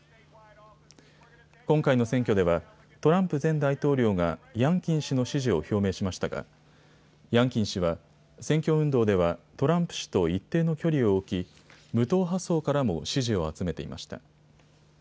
今回の選挙ではトランプ前大統領がヤンキン氏の支持を表明しましたがヤンキン氏は選挙運動ではトランプ氏と一定の距離を置き、無党派層からも支持を集めていました。